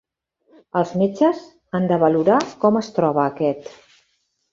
Els metges han de valorar com es troba aquest.